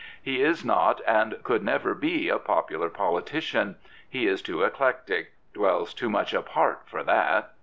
He is not and could never be a popular politician. He is too eclectic, dwells too much apart for that.